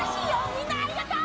みんなありがとう！